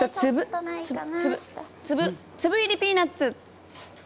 粒入りピーナツ！